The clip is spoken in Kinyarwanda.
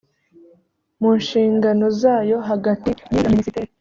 mu nshingano zayo hagati y iyo minisiteri